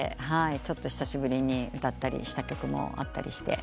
久しぶりに歌ったりした曲もあったりして。